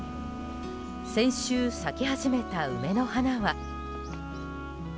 先週咲き始めた梅の花は。